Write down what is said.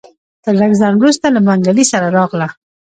تر لږ ځنډ وروسته له منګلي سره راغله.